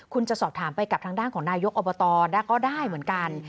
คุณจะสอบถามไปกับทางด้านของนายกอบตก็ได้เหมือนกัน